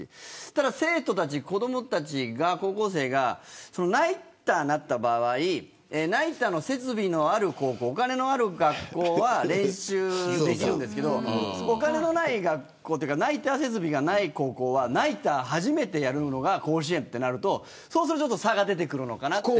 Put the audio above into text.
ただ、生徒たち、高校生がナイターになった場合ナイターの設備があるお金のある学校は練習できるんですけれどお金のないナイター設備のない高校はナイター、初めてやるのが甲子園となるとちょっと差が出てくるのかなと。